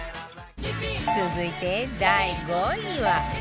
続いて第５位は